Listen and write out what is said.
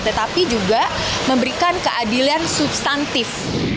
tetapi juga memberikan keadilan substantif